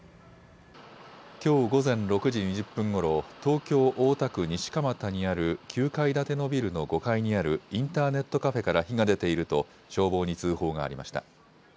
きょう午前６時２０分ごろ、東京大田区西蒲田にある９階建てのビルの５階にあるインターネットカフェから火が出ていると消防に通報がありました。